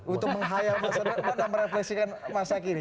untuk menghayal masa depan dan merefleksikan masa kini